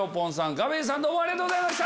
ＧＡＢＥＺさんどうもありがとうございました。